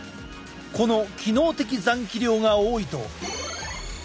この機能的残気量が多いと。